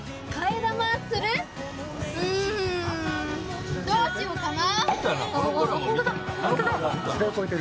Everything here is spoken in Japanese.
うんどうしようかな？